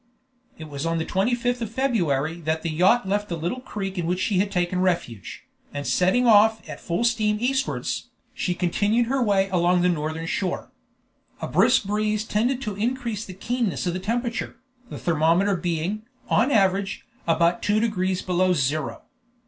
It was on the 25th of February that the yacht left the little creek in which she had taken refuge, and setting off at full steam eastwards, she continued her way along the northern shore. A brisk breeze tended to increase the keenness of the temperature, the thermometer being, on an average, about two degrees below zero.